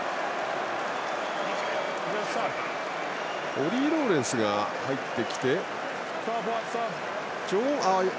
オリー・ローレンスが入ってきて。